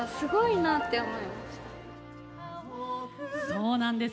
そうなんです。